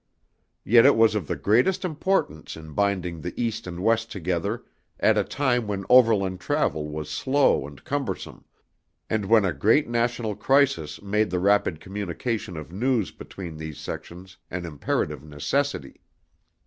Yet it was of the greatest importance in binding the East and West together at a time when overland travel was slow and cumbersome, and when a great national crisis made the rapid communication of news between these sections an imperative necessity.